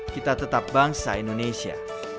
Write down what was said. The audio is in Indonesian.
kita tetap bangsa indonesia